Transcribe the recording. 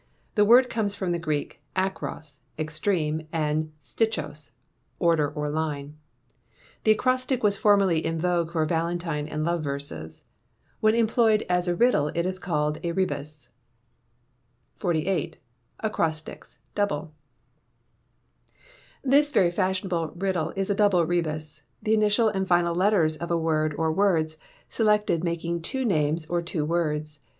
The word comes from the Greek akros, extreme, and stichos, order or line. The acrostic was formerly in vogue for valentine and love verses. When employed as a riddle it is called a Rebus, which see. [AS A MAN LIVES, SO SHALL HE DIE.] 48. Acrostics (Double). This very fashionable riddle is a double Rebus, the initial and final letters of a word or words selected making two names or two words.